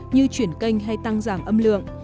như chuyển kênh hay tăng giảm âm lượng